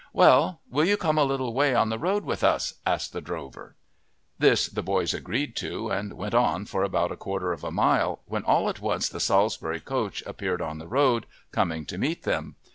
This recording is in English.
"Well, will you come a little way on the road with us?" asked the drover. This the boys agreed to and went on for about a quarter of a mile, when all at once the Salisbury coach appeared on the road, coming to meet them.